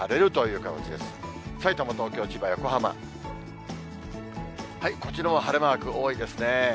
こちらも晴れマーク多いですね。